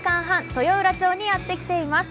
豊浦町にやってきています。